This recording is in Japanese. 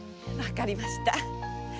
わかりました。